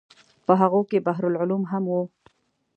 په هغو کې بحر العلوم هم و.